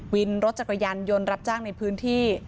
วินรถจักรยานยนต์รับจ้างในพื้นที่